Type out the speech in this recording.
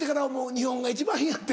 日本が一番いいやって。